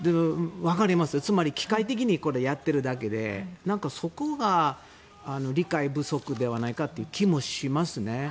つまり、機械的にこれをやっているだけでそこが理解不足ではないかという気もしますね。